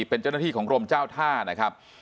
เป็นเจ้าหน้าที่ของกรมเจ้าท่านะครับ